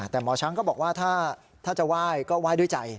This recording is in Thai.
แต่หมอช้างก็บอกว่าถ้าจะไหว้ก็ไหว้ด้วยใจ